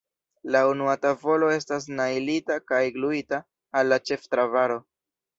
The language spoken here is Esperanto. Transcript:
La unua tavolo estas najlita kaj gluita al la ĉeftrabaro.